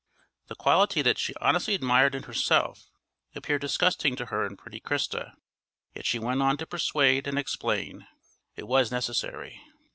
The quality that she honestly admired in herself appeared disgusting to her in pretty Christa, yet she went on to persuade and explain; it was necessary.